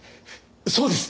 そうです！